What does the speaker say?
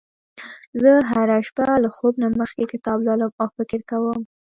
زه هره شپه له خوب نه مخکې کتاب لولم او فکر کوم